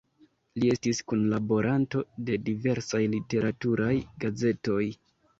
Li estis kunlaboranto de diversaj literaturaj gazetoj.